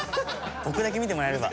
僕だけ見てもらえれば。